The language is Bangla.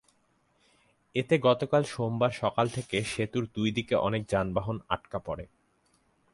এতে গতকাল সোমবার সকাল থেকে সেতুর দুই দিকে অনেক যানবাহন আটকা পড়ে।